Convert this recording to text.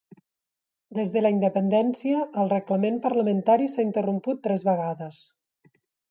Des de la independència, el reglament parlamentari s'ha interromput tres vegades.